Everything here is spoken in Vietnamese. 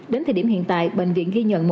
đến thời điểm hiện tại bệnh viện ghi nhận